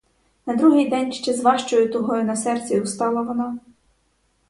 На другий день ще з важчою тугою на серці устала вона.